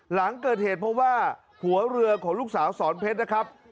หลังเกิดเหตุเพราะว่าหัวเรือของลูกสาวสอนเพชรนะครับ